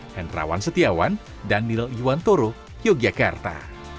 henrawan setiawan dan nil iwantoro yogyakarta